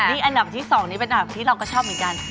นี่อันดับที่๒นี่เป็นอันดับที่เราก็ชอบเหมือนกัน